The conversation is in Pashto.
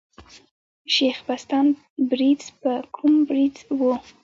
شېخ بستان برېڅ په قوم بړېڅ ؤ.